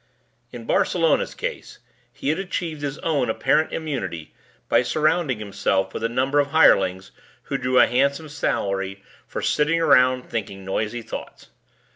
In Barcelona's case, he had achieved his own apparent immunity by surrounding himself with a number of hirelings who drew a handsome salary for sitting around thinking noisy thoughts.